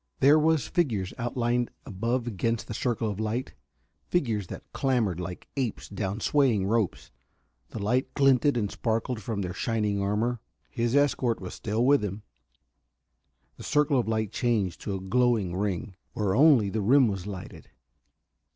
There was figures outlined above against the circle of light, figures that clambered like apes down swaying ropes. The light glinted and sparkled from their shining armor. His escort was still with him. The circle of light changed to a glowing ring, where only the rim was lighted.